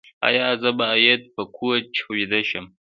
ایا زه باید په کوچ ویده شم؟